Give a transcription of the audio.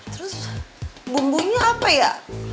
terus bumbunya apa ya